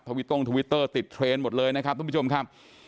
วิต้งทวิตเตอร์ติดเทรนด์หมดเลยนะครับทุกผู้ชมครับ